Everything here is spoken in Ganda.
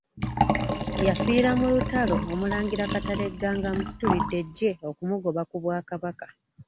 Yafiira mu lutalo Omulangira Kateregga ng'amusitulidde eggye okumugoba ku Bwakabaka.